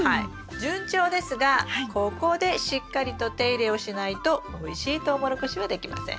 順調ですがここでしっかりと手入れをしないとおいしいトウモロコシはできません。